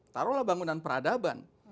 taruhlah bangunan peradaban